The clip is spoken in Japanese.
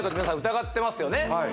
疑ってますよ